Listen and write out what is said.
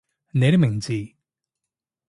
你的名字